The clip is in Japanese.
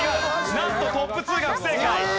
なんとトップ２が不正解。